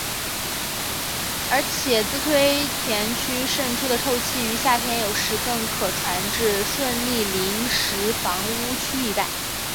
而且自堆填区渗出的臭气于夏天有时更可传至顺利临时房屋区一带。